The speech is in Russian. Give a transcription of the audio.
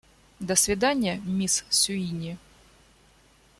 До свидания, мисс Суини.